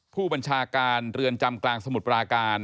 ผู้บัญชาการเรือนจำกลางสมุทรปราการ